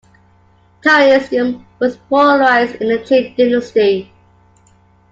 Taoism was polarized in the Jin dynasty.